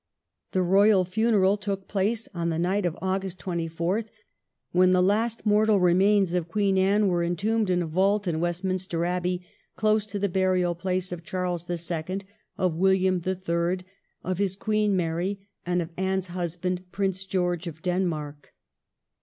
The royal funeral took place on the night of August 24, when the last mortal remains of Queen Anne were entombed in a vault in Westminster Abbey, close to the burial place of Charles the Second, of William the Third, of his Queen Mary, and of Anne's husband Prince George of Denmark.